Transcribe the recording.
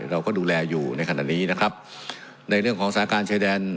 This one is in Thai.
เราก็ดูแลอยู่ในขณะนี้นะครับในเรื่องของสาการชายแดน